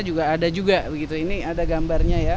juga begitu ini ada gambarnya ya